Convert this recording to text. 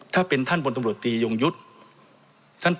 ถ้าเป็นท่านบนตำรวจตียงยุทธ์